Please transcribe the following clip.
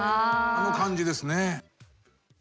あの感じですね。